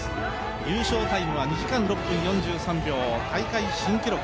優勝タイムは２時間６分４３秒、大会新記録。